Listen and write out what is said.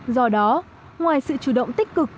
do đó ngoài sự chủ động tích cực